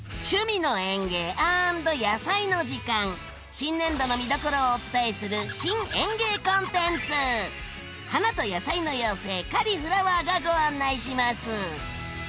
新年度の見どころをお伝えする花と野菜の妖精カリ・フラワーがご案内します！